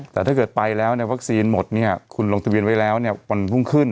แต่ถ้าเกิดไปแล้ววัคซีนหมดคุณลงทะเบียนไว้แล้ววันรุ่งขึ้น